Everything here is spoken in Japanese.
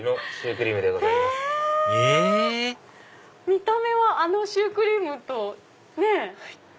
見た目はあのシュークリームとねぇ。